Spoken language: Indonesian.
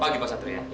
pagi pak satri ya